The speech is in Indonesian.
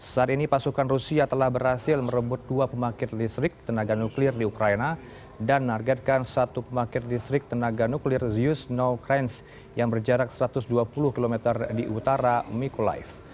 saat ini pasukan rusia telah berhasil merebut dua pembangkit listrik tenaga nuklir di ukraina dan menargetkan satu pembangkit listrik tenaga nuklir zius know crance yang berjarak satu ratus dua puluh km di utara mikulive